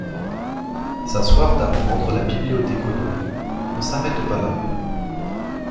Sa soif d’apprendre la bibliothéconomie ne s’arrête pas là.